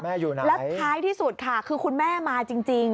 แล้วท้ายที่สุดค่ะคือคุณแม่มาจริง